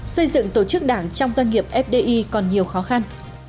xây dựng tổ chức đảng trong doanh nghiệp fdi còn nhiều khó khăn